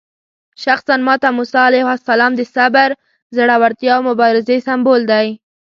شخصاً ماته موسی علیه السلام د صبر، زړورتیا او مبارزې سمبول دی.